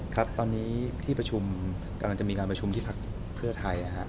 ครับตอนนี้ที่ประชุมกำลังจะมีการประชุมที่พักเพื่อไทย